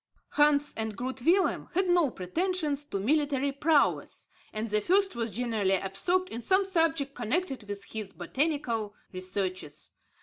Hans and Groot Willem had no pretensions to military prowess, and the first was generally absorbed in some subject connected with his botanical researches.